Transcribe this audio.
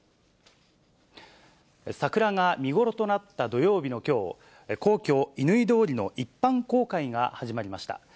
桜が見頃となった土曜日のきょう、皇居・乾通りの一般公開が始まりました。